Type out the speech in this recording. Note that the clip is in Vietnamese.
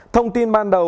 thông tin ban đầu